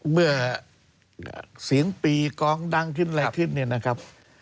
เมื่อเสียงปีกองดังขึ้นอะไรขึ้นเนี่ยนะครับ